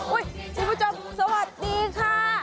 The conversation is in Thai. อุ้ยที่ผู้ชมสวัสดีค่ะ